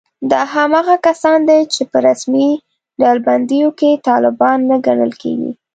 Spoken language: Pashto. دا هماغه کسان دي چې په رسمي ډلبندیو کې طالبان نه ګڼل کېږي